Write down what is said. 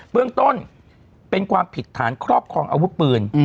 เบื้องต้นเป็นความผิดฐานครอบครองอาวุธปืน